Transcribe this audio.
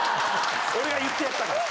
俺が言ってやったから。